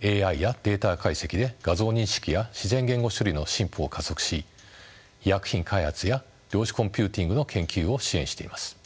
ＡＩやデータ解析で画像認識や自然言語処理の進歩を加速し医薬品開発や量子コンピューティングの研究を支援しています。